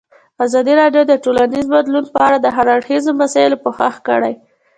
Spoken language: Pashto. ازادي راډیو د ټولنیز بدلون په اړه د هر اړخیزو مسایلو پوښښ کړی.